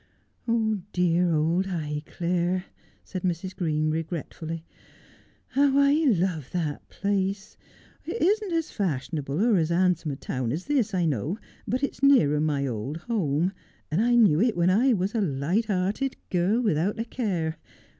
' Dear old Highclere,' said Mrs. Green regretfully. ' How I 170 Just as I Am. iove that place ! It isn't as fashionable or as handsome a town as this, I know, but it's nearer my old home, and I knew it when I was a light hearted girl, without a care.